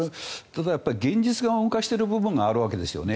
ただ現実が動かしている部分があるわけですよね。